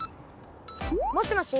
もしもし？